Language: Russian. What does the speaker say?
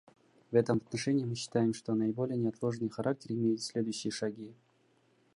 В этом отношении мы считаем, что наиболее неотложный характер имеют следующие шаги.